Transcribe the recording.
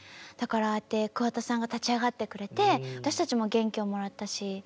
だからああやって桑田さんが立ち上がってくれて私たちも元気をもらったし。